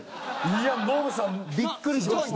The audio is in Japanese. いやノブさんびっくりします。